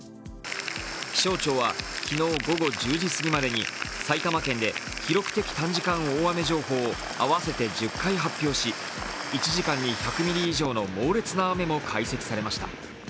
気象庁は、昨日午後１０時過ぎまでに埼玉県で記録的短時間大雨情報を合わせて１０回発表し１時間に１００ミリ以上の猛烈な雨も解析されました。